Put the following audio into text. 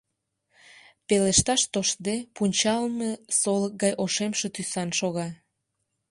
Пелешташ тоштде, пунчалме солык гай ошемше тӱсан шога.